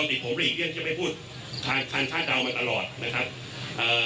วัติผมอีกเรื่องจะไม่พูดคาคาคาดาวมาตลอดนะครับเอ่อ